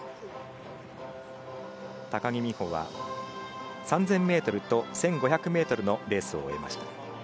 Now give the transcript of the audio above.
高木美帆は３０００ｍと１５００ｍのレースを終えました。